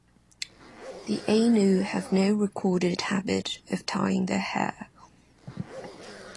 The Ainu have no recorded habit of tying their hair.